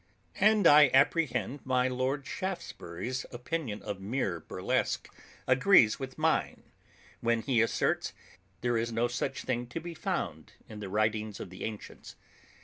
And I apprehend, my Lord Shaftesbury's opinion of mere burlesque agrees with mine, when he asserts, "There is no such thing to be found in the writings of the antients."